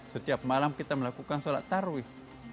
setiap malam kita melakukan sholat tarwih